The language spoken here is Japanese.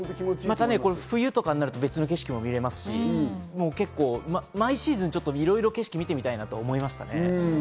冬とかになると別の景色も見れますし、毎シーズンちょっといろいろ景色を見てみたいなと思いましたね。